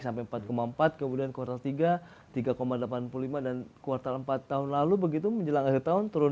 sampai empat empat kemudian kuartal tiga tiga delapan puluh lima dan kuartal empat tahun lalu begitu menjelang akhir tahun turun